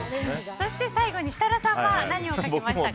最後に設楽さんは何を書きましたか？